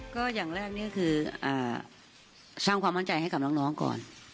ก็อย่างแรกนี่คือสร้างความมั่นใจให้กับน้องก่อน